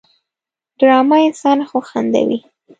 ډرامه انسان وخندوي